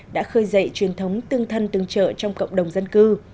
đã khơi dậy truyền thống tương thân tương trợ trong cộng đồng dân cư